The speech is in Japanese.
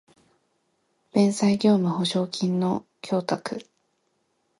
弁済業務保証金の供託